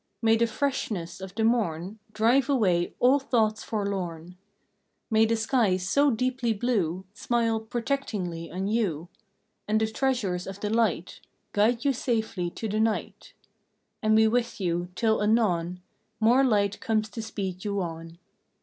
May the freshness of the morn Drive away all thoughts forlorn. May the skies so deeply blue Smile protectingly on you, And the treasures of the light Guide you safely to the night And be with you till anon More light comes to speed you on.